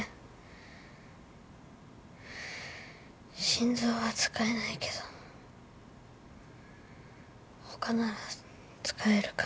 心臓は使えないけど他なら使えるかも。